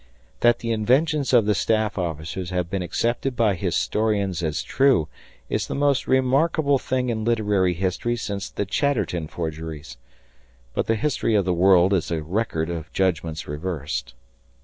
That the inventions of the staff officers have been accepted by historians as true is the most remarkable thing in literary history since the Chatterton forgeries. But the history of the world is a record of judgments reversed.